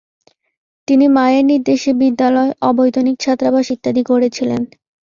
তিনি মায়ের নির্দেশে বিদ্যালয়, অবৈতনিক ছাত্রাবাস ইত্যাদি গড়েছিলেন।